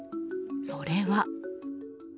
それは。